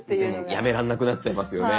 やめらんなくなっちゃいますよね。